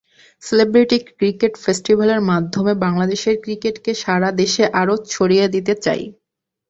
Celebrity cricket ফেস্টিভ্যালের মাধ্যমে বাংলাদেশের ক্রিকেটকে সারা দেশে আরও ছড়িয়ে দিতে চাই।